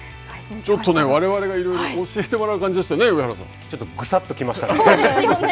ちょっとわれわれがいろいろ教えてもらう感じがしてね、ちょっと、ぐさっときましたね。